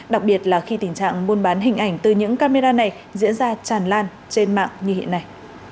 đặc biệt là khi tình trạng buôn bán hình ảnh từ những camera này diễn ra tràn lan trên mạng như hiện nay